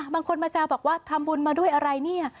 บางคนมาแซวบอกว่าทำบุญมาด้วยอะไรเนี่ย